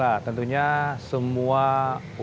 atau fahid zain kost